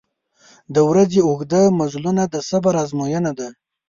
• د ورځې اوږده مزلونه د صبر آزموینه ده.